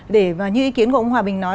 để như ý kiến của ông hòa bình nói